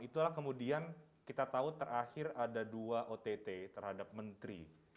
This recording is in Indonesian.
itulah kemudian kita tahu terakhir ada dua ott terhadap menteri